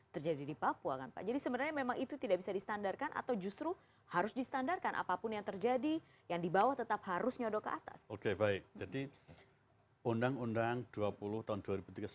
terima kasih pak menteri